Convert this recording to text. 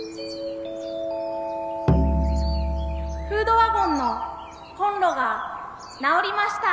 フードワゴンのコンロが直りました。